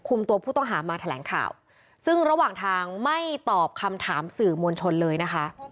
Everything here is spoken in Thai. ตัวผู้ต้องหามาแถลงข่าวซึ่งระหว่างทางไม่ตอบคำถามสื่อมวลชนเลยนะคะ